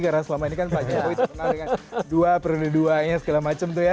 karena selama ini kan pak jokowi terkenal dengan dua per dua nya segala macam tuh ya